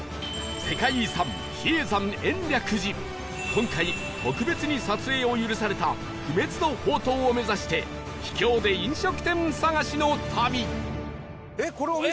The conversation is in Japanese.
今回特別に撮影を許された不滅の法灯を目指して秘境で飲食店探しの旅